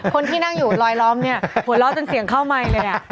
คนที่นั่งอยู่รอยล้อมเนี่ยหัวเราะจนเสียงเข้าไมค์เลย